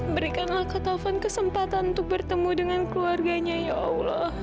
berikanlah kak taufan kesempatan untuk bertemu dengan keluarganya ya allah